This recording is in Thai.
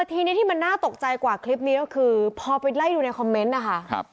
ทีนี้ที่มันน่าตกใจกว่าคลิปนี้ก็คือพอไปไล่ดูในคอมเมนต์นะคะ